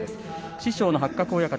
師匠の八角親方